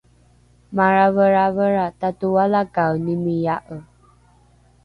maraveravera tatoalakaenimia’e!